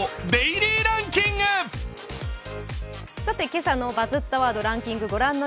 今朝の「バズったワードランキング」ご覧の